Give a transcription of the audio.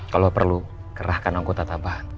kalau perlu kerahkan anggota tabah